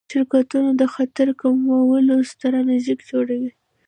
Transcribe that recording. شرکتونه د خطر کمولو ستراتیژي جوړوي.